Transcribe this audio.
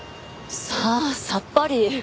さあさっぱり。